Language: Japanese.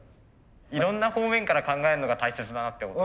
いろんな方面から考えるのが大切だなってことが。